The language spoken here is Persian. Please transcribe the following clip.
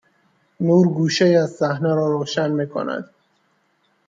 نور گوشه ای از صحنه را روشن می کند